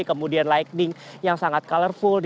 kemudian likeding yang sangat colorful